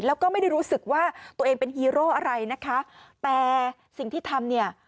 แล้วก็ไม่ได้รู้สึกว่าตัวเองเป็นฮีโร่อะไรนะคะแต่สิ่งที่ทำเนี่ย